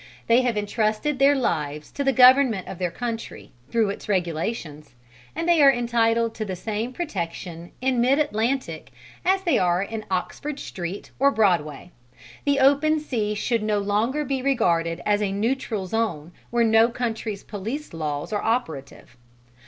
They have entrusted their lives to the government of their country through its regulations and they are entitled to the same protection in mid Atlantic as they are in Oxford Street or Broadway. The open sea should no longer be regarded as a neutral zone where no country's police laws are operative.